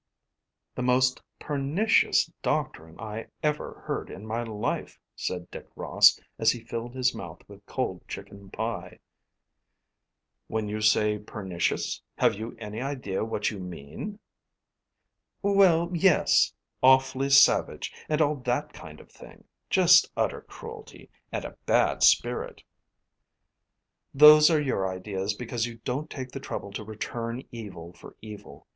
"The most pernicious doctrine I ever heard in my life," said Dick Ross as he filled his mouth with cold chicken pie. "When you say pernicious, have you any idea what you mean?" "Well, yes; awfully savage, and all that kind of thing. Just utter cruelty, and a bad spirit." "Those are your ideas because you don't take the trouble to return evil for evil.